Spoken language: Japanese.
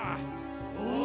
お！